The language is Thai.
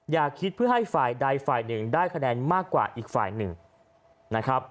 อย่าคิดเพื่อให้ฝ่ายใดฝ่ายหนึ่งได้คะแนนมากกว่าอีกฝ่ายหนึ่งนะครับ